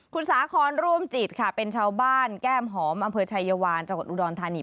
คุณสาคอนร่วมจิตค่ะเป็นชาวบ้านแก้มหอมอำเภอชายวานจังหวัดอุดรธานี